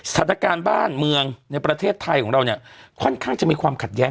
สถานการณ์บ้านเมืองในประเทศไทยของเราเนี่ยค่อนข้างจะมีความขัดแย้